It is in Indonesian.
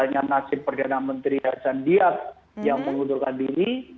ini hanya nasib perdana menteri hj diab yang mengundurkan diri